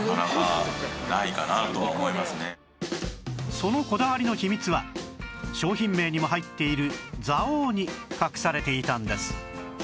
そのこだわりの秘密は商品名にも入っている蔵王に隠されていたんです